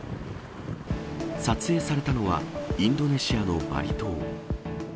撮影されたのは、インドネシアのバリ島。